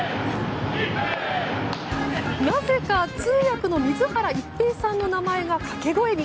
なぜか、通訳の水原一平さんの名前が掛け声に。